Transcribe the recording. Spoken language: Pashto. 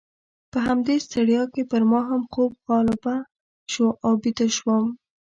په همدې ستړیا کې پر ما هم خوب غالبه شو او بیده شوم.